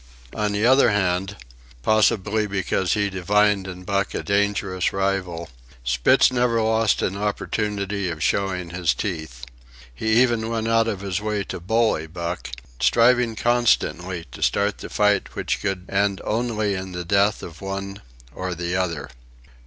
On the other hand, possibly because he divined in Buck a dangerous rival, Spitz never lost an opportunity of showing his teeth. He even went out of his way to bully Buck, striving constantly to start the fight which could end only in the death of one or the other.